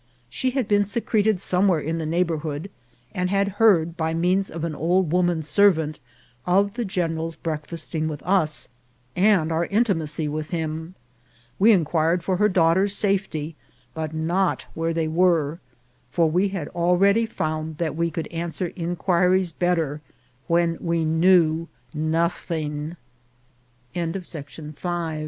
She had been secreted somewhere in the neigh bourhood, and had heard, by means of an old woman servant, of the general's breakfasting with us, and our intimacy with him. We inquired for her daughters' safety, but not where they were, for we had already found that we could answer inquiries better whe